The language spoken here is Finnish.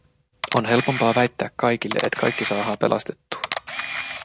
On helpompaa väittää kaikille, et kaikki saahaa pelastettuu.